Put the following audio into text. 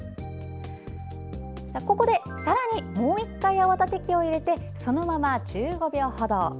ここで、さらにもう１回泡立て器を入れてそのまま１５秒ほど。